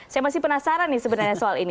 saya masih penasaran nih sebenarnya soal ini